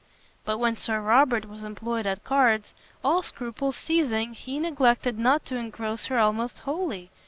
But when Sir Robert was employed at cards, all scruples ceasing, he neglected not to engross her almost wholly.